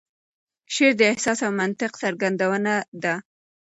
شعر د احساس او منطق څرګندونه ده.